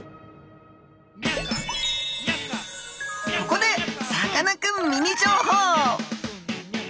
ここでさかなクンミニ情報！